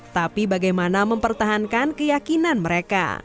tapi bagaimana mempertahankan keyakinan mereka